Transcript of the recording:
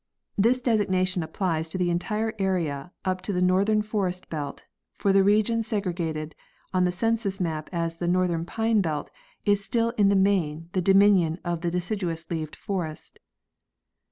This designation applies to the entire area up to the northern forest belt, for the region segregated on the census map as the northern pine belt is still in the main the dominion of the deciduous leaved forest.